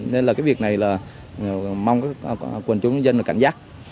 nên là cái việc này là mong quần chúng dân được cảnh giác